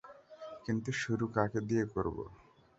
কিন্তু শুরু কাকে দিয়ে করব?